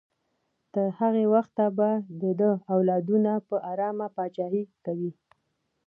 تر هغه وخته به د ده اولادونه په ارامه پاچاهي کوي.